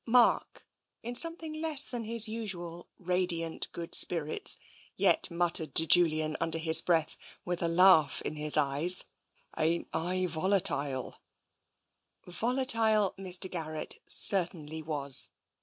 Mark, in something less than his usual radiant good spirits, yet muttered to Julian under his breath, with a laugh in his eyes: " Ain't I volatile? '' Volatile Mr. Garrett certainly was.